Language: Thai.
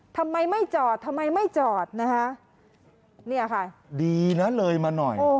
ทำไมไม่จอดทำไมไม่จอดนะคะเนี่ยค่ะดีนะเลยมาหน่อย